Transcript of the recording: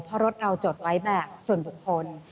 เพราะรถเราจดไว้แบบส่วนบุคคล